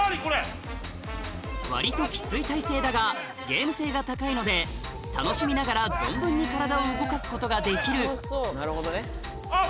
割ときつい体勢だがゲーム性が高いので楽しみながら存分に体を動かすことができるあっ